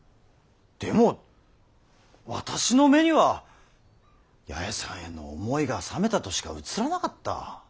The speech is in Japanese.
でも私の目には八重さんへの思いが冷めたとしか映らなかった。